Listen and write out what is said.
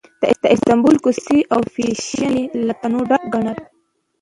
د استانبول کوڅې او فېشن یې له تنوع ډک ګڼل.